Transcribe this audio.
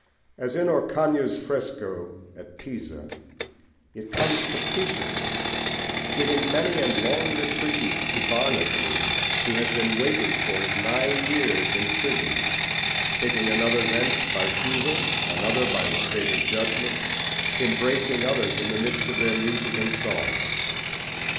As in Orcagna's fresco at Pisa, it comes capriciously, giving many and long reprieves to Barnardine, who has been waiting for it nine years in prison, taking another thence by fever, another by mistake of judgment, embracing others in the midst of their music and song.